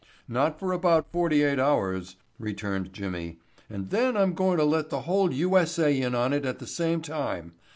"Not for about forty eight hours," returned Jimmy, "and then I'm goin' to let the whole U.S.A. in on it at the same time.